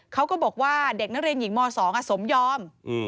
เขาก็บอกว่าเด็กนักเรียนหญิงม๒สมยอม